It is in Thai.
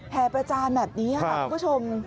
ประจานแบบนี้ค่ะคุณผู้ชม